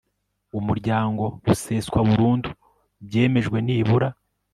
umurryango useswa burundu byemejwe nibura